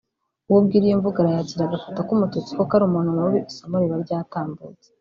uwo ubwira iyo mvugo arayakira agafata ko umututsi koko ari umuntu mubi isomo riba ryatambutse